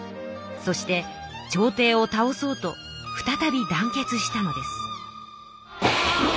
そして朝廷を倒そうと再び団結したのです。